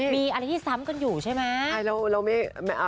มีอะไรที่ซ้ำกันอยู่ใช่ไหม